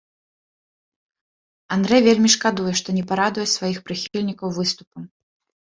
Андрэ вельмі шкадуе, што не парадуе сваіх прыхільнікаў выступам.